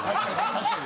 ・確かに。